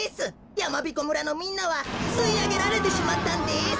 やまびこ村のみんなはすいあげられてしまったんです。